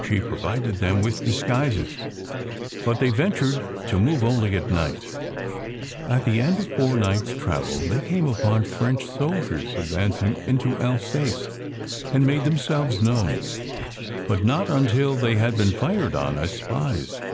She pro vided them with disguises, but they ventured to move only at night. At the end of four nights travel they came upon 264 SECRET HISTORY 265 French soldiers advancing into Alsace, and made them selves known, but not until they had been fired on as spies.